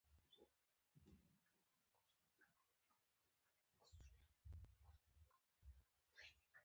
د اسلامي ټولنو اساسي اړتیا دا ده.